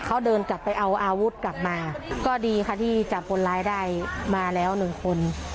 เขาเดินกลับไปเอาอาวุธกลับมาก็ดีค่ะที่จับคนร้ายได้มาแล้วหนึ่งคน